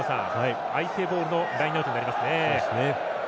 相手ボールのラインアウトになりますね。